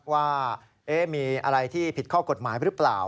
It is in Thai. ว่ามีอะไรที่ผิดข้อกฎหมายหรือเปล่า